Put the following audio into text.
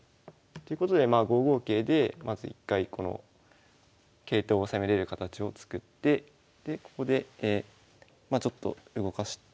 ということでまあ５五桂でまず一回この桂頭を攻めれる形を作ってでここでまあちょっと動かし。